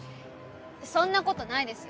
そんなことないですよ。